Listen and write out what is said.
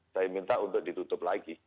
saya minta untuk ditutup lagi